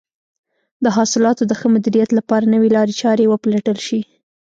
د حاصلاتو د ښه مدیریت لپاره نوې لارې چارې وپلټل شي.